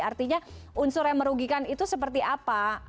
artinya unsur yang merugikan itu seperti apa